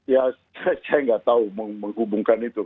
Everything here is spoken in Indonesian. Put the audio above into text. ya saya nggak tahu menghubungkan itu